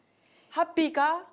ハッピー？